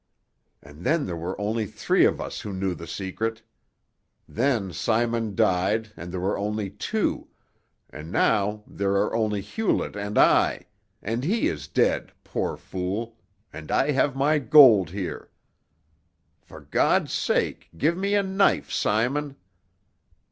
"And then there were only three of us who knew the secret. Then Simon died and there were only two, and now there are only Hewlett and I, and he is dead, poor fool, and I have my gold here. For God's sake give me a knife, Simon!"